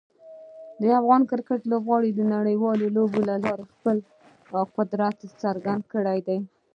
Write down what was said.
د افغان کرکټ لوبغاړو د نړیوالو لوبو له لارې خپل قدرت څرګند کړی دی.